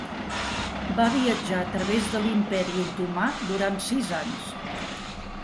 Va viatjar a través de l'Imperi otomà durant sis anys.